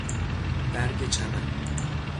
برگ چمن